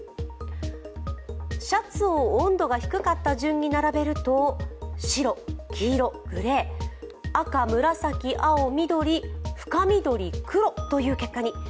シャツを温度が低かった順に並べると白、黄色、グレー、赤、紫、青、緑、深緑、黒という結果に。